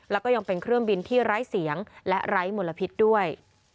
แล้วก็ยังเป็นเครื่องบินที่ไร้เสียงและไร้มลพิษด้วย